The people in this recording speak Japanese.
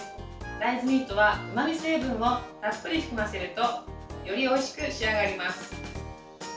大豆ミートはうまみ成分をたっぷり含ませるとよりおいしく仕上がります。